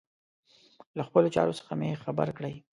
له خپلو چارو څخه مي خبر کړئ.